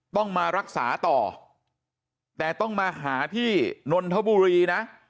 ต้องมารักษาต่อแต่ต้องมาหาที่นนทบุรีนะ